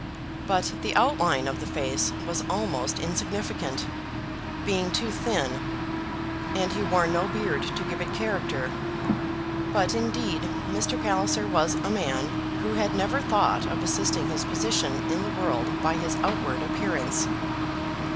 But the outline of the face was almost insignificant, being too thin; and he wore no beard to give it character. But, indeed, Mr. Palliser was a man who had never thought of assisting his position in the world by his outward appearance.